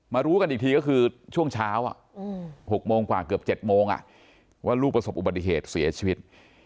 รู้กันอีกทีก็คือช่วงเช้า๖โมงกว่าเกือบ๗โมงว่าลูกประสบอุบัติเหตุเสียชีวิต